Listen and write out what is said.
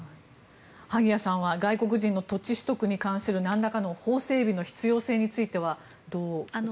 萩谷さんは外国人の土地取得に関するなんらかの法整備の必要性についてはどうお考えですか？